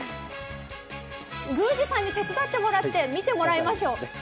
宮司さんに手伝ってもらって見てもらいましょう。